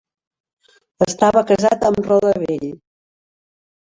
Estava casat amb Rhoda Bell.